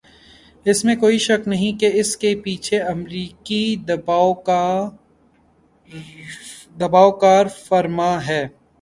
اس میں کوئی شک نہیں کہ اس کے پیچھے امریکی دبائو کارفرما ہے۔